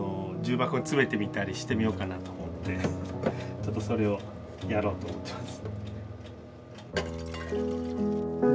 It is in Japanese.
ちょっとそれをやろうと思ってます。